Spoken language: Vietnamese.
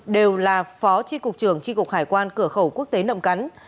đều là phó tri cục trưởng tri cục hải quan cửa khẩu quốc tế nậm cắn